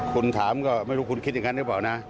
คุณถามก็ไม่รู้คุณคิดอย่างนั้นหรือเปล่านะ